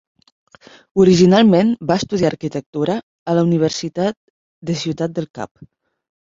Originalment va estudiar arquitectura a la Universitat de Ciutat del Cap.